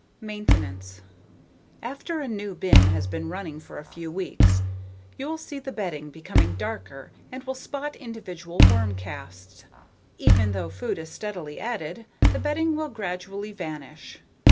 Maintenance After a new bin has been running for a few weeks, you'll see the bedding becoming darker and will spot individual worm casts. Even though food is steadily added, the bedding will gradually vanish.